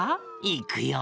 いくよ！